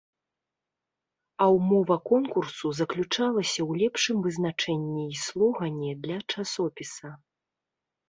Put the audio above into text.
А ўмова конкурсу заключалася ў лепшым вызначэнні і слогане для часопіса.